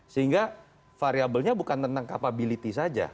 sehingga variabelnya bukan tentang capability saja